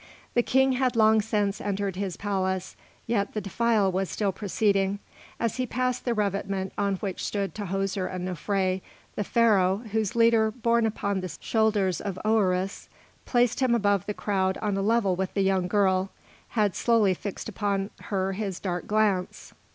The King had long since entered his palace, yet the defile was still proceeding. As he passed the revetment on which stood Tahoser and Nofré, the Pharaoh, whose litter, borne upon the shoulders of oëris, placed him above the crowd on a level with the young girl, had slowly fixed upon her his dark glance.